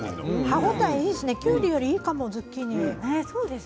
歯応えいいですねきゅうりよりいいかもズッキーニ。